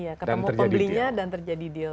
iya ketemu pembelinya dan terjadi deal